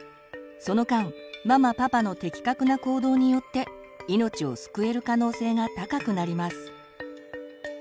その間ママ・パパの的確な行動によって命を救える可能性が高くなります。